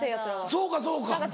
そうかそうか。